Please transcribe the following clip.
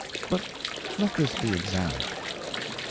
But let this be Examined.